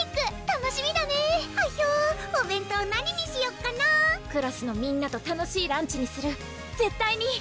楽しみだねはひょお弁当何にしよっかなクラスのみんなと楽しいランチにする絶対に！